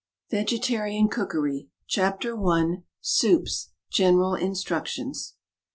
VEGETARIAN COOKERY CHAPTER 1. SOUPS. GENERAL INSTRUCTIONS.